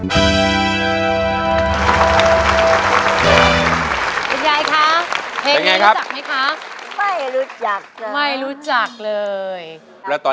เพลงนี้สหายเชี่ยวกีฟาของช่ายเซชาท๊วน